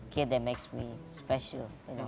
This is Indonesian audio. dia adalah anak yang membuatku istimewa